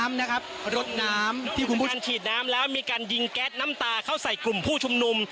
รถน้ำที่คุณผู้ชมฉีดน้ำแล้วมีการยิงแก๊สน้ำตาเข้าใส่กลุ่มผู้ชุมนุม